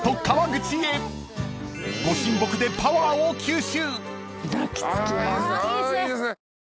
［ご神木でパワーを吸収］